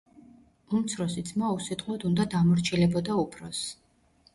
უმცროსი ძმა უსიტყვოდ უნდა დამორჩილებოდა უფროსს.